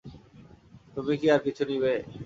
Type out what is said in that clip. তুমি কি আর কিছু নিবে?